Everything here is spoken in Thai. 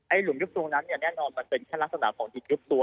หลุมยุบตรงนั้นเนี่ยแน่นอนมันเป็นแค่ลักษณะของหินยุบตัว